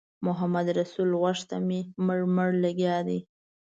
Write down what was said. محمدرسول غوږ ته مې مړ مړ لګیا دی.